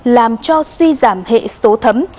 làm cho suy giảm hệ số thấm